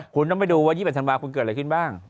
คุณต้องไปดูว่า๒๑ธันวาคมคุณเกิดอะไรขึ้นบ้าง